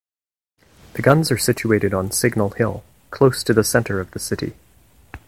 The guns are situated on Signal Hill, close to the centre of the city.